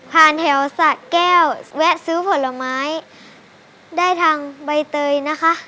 แถวสะแก้วแวะซื้อผลไม้ได้ทางใบเตยนะคะ